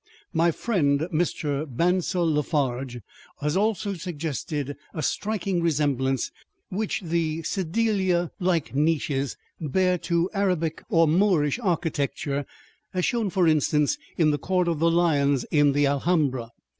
My friend, Mr. Bancel La Farge, has also suggested a striking resemblance which the sedilia like niches bear to Arabic or Moorish architecture, as shown, for instance, in the Court of the Lions in the Alhambra.